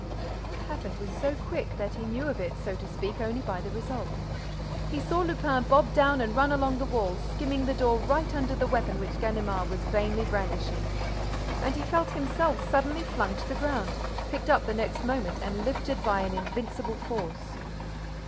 What happened was so quick that he knew of it, so to speak, only by the result. He saw Lupin bob down and run along the wall, skimming the door right under the weapon which Ganimard was vainly brandishing; and he felt himself suddenly flung to the ground, picked up the next moment and lifted by an invincible force.